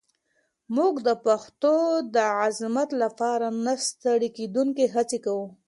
موږ د پښتو د عظمت لپاره نه ستړې کېدونکې هڅې کوو.